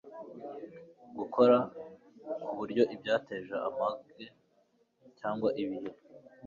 gukora ku buryo ibyateje amage cyangwa ibihe